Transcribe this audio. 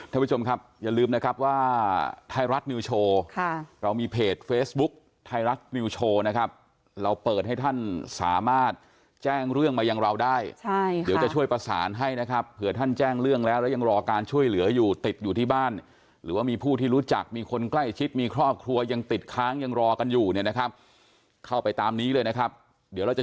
ท่านผู้ชมครับอย่าลืมนะครับว่าไทยรัฐนิวโชว์ค่ะเรามีเพจเฟซบุ๊คไทยรัฐนิวโชว์นะครับเราเปิดให้ท่านสามารถแจ้งเรื่องมายังเราได้ใช่เดี๋ยวจะช่วยประสานให้นะครับเผื่อท่านแจ้งเรื่องแล้วแล้วยังรอการช่วยเหลืออยู่ติดอยู่ที่บ้านหรือว่ามีผู้ที่รู้จักมีคนใกล้ชิดมีครอบครัวยังติดค้างยังรอกันอยู่เนี่ยนะครับเข้าไปตามนี้เลยนะครับเดี๋ยวเราจะ